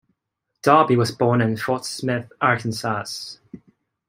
Darby was born in Fort Smith, Arkansas.